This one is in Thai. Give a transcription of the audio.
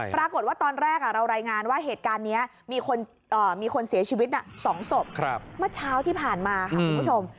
ปรากฏว่าตอนแรกเรารายงานว่าเหตุการณ์นี้มีคนเสียชีวิต๒ศพเมื่อเช้าที่ผ่านมาค่ะคุณผู้ชม